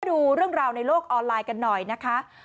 ดูเรื่องราวในโลกออนไลน์กันหน่อยนะคะ